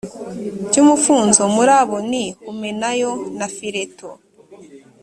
cy umufunzo muri abo ni humenayo na fileto